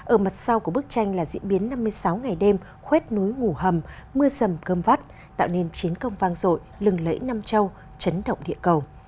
ở mặt sau của bức tranh là diễn biến năm mươi sáu ngày đêm khuét núi ngủ hầm mưa sầm cơm vắt tạo nên chiến công vang rội lừng lẫy nam châu chấn động địa cầu